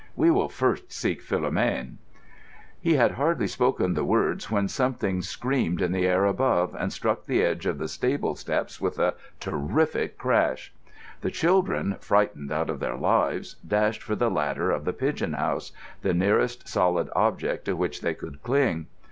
"We will first seek Philomène." He had hardly spoken the words when something screamed in the air above and struck the edge of the stable steps with a terrific crash. The children, frightened out of their lives, dashed for the ladder of the pigeon house—the nearest solid object to which they could cling.